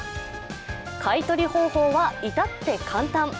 買い取り方法は至って簡単。